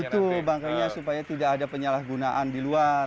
betul bangkainya supaya tidak ada penyalahgunaan di luar